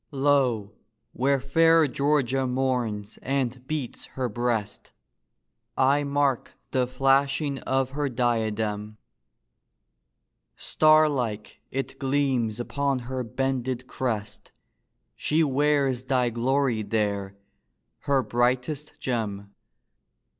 Lo, where fair Georgia mourns and beats her breast, I mark the flashing of her diadem ; Star like it gleams upon her bended crest : She wears thy glory there, her brightest gem.